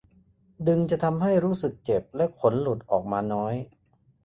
ดึงจะทำให้รู้สึกเจ็บและขนหลุดออกมาน้อย